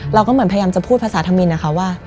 เราก็เหมือนพยายามจะพูดภาษาธมินนะคะว่า